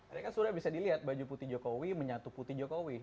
karena kan sudah bisa dilihat baju putih jokowi menyatu putih jokowi